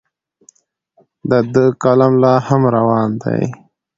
د ده قلم لا هم روان دی.